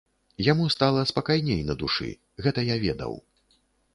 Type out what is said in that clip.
Яму стала спакайней на душы, гэта я ведаў.